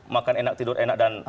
makan enak tidur enak